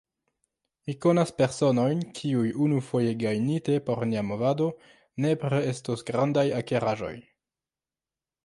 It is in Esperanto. Mi konas personojn, kiuj, unufoje gajnite por nia movado, nepre estos grandaj akiraĵoj.